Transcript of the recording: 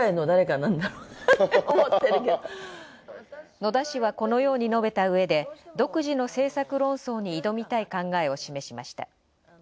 野田氏はこのように述べた上で独自の政策論争に挑みたい考えを示しました。